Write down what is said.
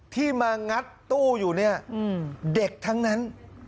ที่มางัดตู้อยู่เนี่ยเด็กทั้งนั้น